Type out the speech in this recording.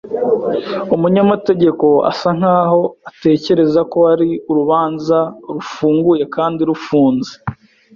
Umunyamategeko asa nkaho atekereza ko ari urubanza rufunguye kandi rufunze